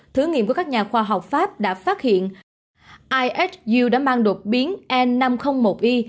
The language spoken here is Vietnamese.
thử nghiệm của các nhà khoa học pháp đã phát hiện isu đã mang đột biến n năm trăm linh một i